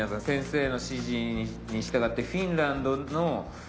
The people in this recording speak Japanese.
先生の指示に従ってフィンランドの。